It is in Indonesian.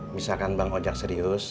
misalkan bang ojak serius